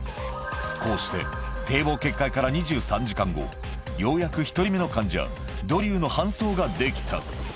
こうして堤防決壊から２３時間後、ようやく１人目の患者、ドリューの搬送ができた。